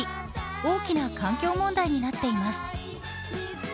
大きな環境問題になっています。